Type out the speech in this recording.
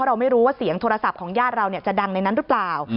เราไม่รู้ว่าเสียงโทรศัพท์ของญาติเราจะดังในนั้นหรือเปล่า